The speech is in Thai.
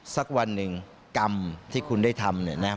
สักวันหนึ่งกรรมที่คุณได้ทำ